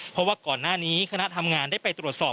เพราะว่าก่อนหน้านี้คณะทำงานได้ไปตรวจสอบ